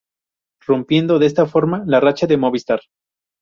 Rompiendo de esta forma la racha del Movistar.